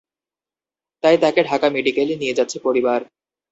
তাই তাঁকে ঢাকা মেডিকেলে নিয়ে যাচ্ছে পরিবার।